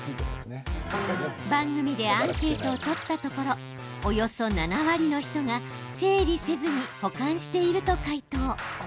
番組でアンケートを取ったところおよそ７割の人が整理せずに保管していると回答。